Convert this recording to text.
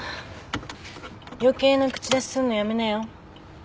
余計な口出しすんのやめなよ。